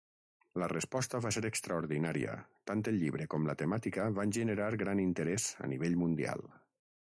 La resposta va ser extraordinària; tant el llibre com la temàtica van generar gran interès a nivell mundial.